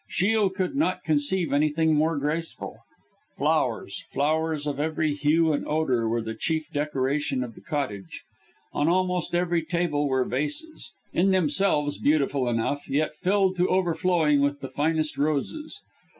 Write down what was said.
Shiel could not conceive anything more graceful. Flowers flowers of every hue and odour were the chief decoration of the cottage. On almost every table were vases in themselves beautiful enough yet filled to overflowing with the finest roses.